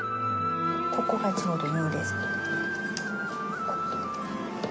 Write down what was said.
ここがちょうど幽霊坂。